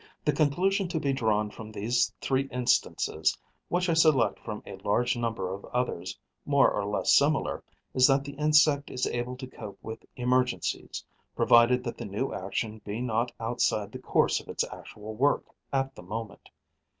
The conclusion to be drawn from these three instances, which I select from a large number of others, more or less similar, is that the insect is able to cope with emergencies, provided that the new action be not outside the course of its actual work at the moment.